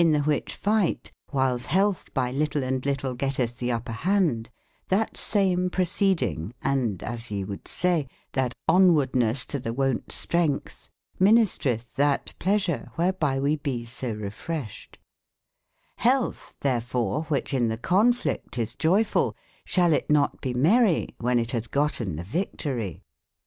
In the which ftght, whiles health by litle and litlegetteth the upper hande, that same procedyng, and (as ye would say) that onwardnes to the wonte strength ministreth that pleasure, wherby we be so refreshed j^ Realtb therfore, whiche in the conflict is joy efu II, shall it not bemery, when it hathgootten the victorie